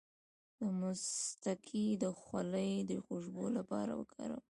د مصطکي د خولې د خوشبو لپاره وکاروئ